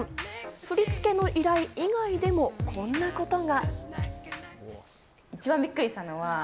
振り付けの依頼以外でも、こんなことが。